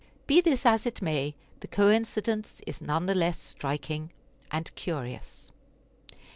Be this as it may, the coincidence is none the less striking and curious.